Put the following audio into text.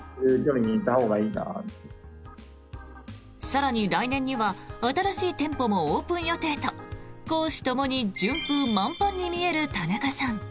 更に来年には新しい店舗もオープン予定と公私ともに順風満帆に見える田中さん。